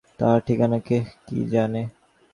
তাহার ঠিকানা কেহ কি জানে।